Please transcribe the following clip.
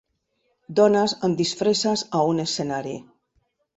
Dones amb disfresses a un escenari.